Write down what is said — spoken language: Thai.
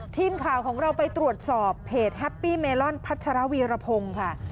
ทีมข่าวของเราไปตรวจสอบเพจแฮปปี้เมลอนพัชรวีรพงศ์ค่ะ